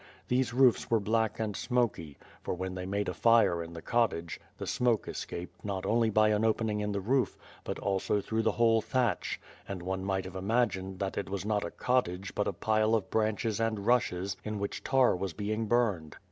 These roofs were black and smoky, for when they made a fire in the cottage, the smoke escaped not only by an opening in the roof but also through the whole thatch, and one might have imagined that it was not a cottage but a pile of branches and rushes in which tar was being burned.